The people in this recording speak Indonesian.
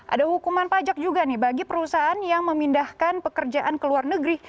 ada hukuman pajak juga nih bagi perusahaan yang memindahkan pekerjaan ke luar negeri